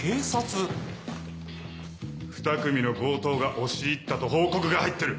ふた組の強盗が押し入ったと報告が入ってる。